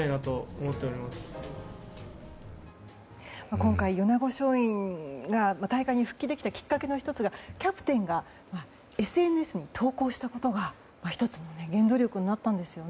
今回、米子松蔭が大会に復帰できたきっかけの１つがキャプテンがＳＮＳに投稿したことが１つの原動力になったんですよね。